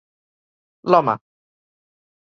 l'home